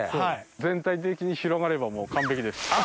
全体的に広がればもう完璧です。